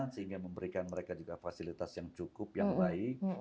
sehingga memberikan mereka juga fasilitas yang cukup yang baik